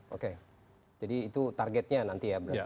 oke jadi itu targetnya nanti ya berarti